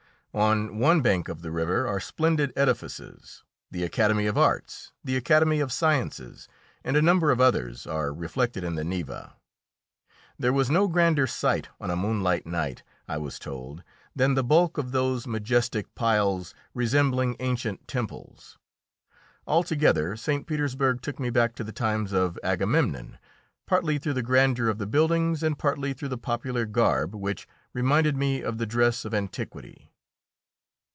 On one bank of the river are splendid edifices: the Academy of Arts, the Academy of Sciences and a number of others are reflected in the Neva. There was no grander sight on a moonlight night, I was told, than the bulk of those majestic piles, resembling ancient temples. Altogether, St. Petersburg took me back to the times of Agamemnon, partly through the grandeur of the buildings and partly through the popular garb, which reminded me of the dress of antiquity.